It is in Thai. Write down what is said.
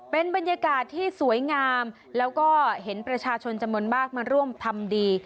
เป็นบรรยากาศที่สวยงามแล้วก็เห็นประชาชนจำนวนมากมาร่วมทำดี